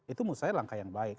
itu mustahil langkah yang baik